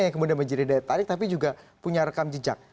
yang kemudian menjadi daya tarik tapi juga punya rekam jejak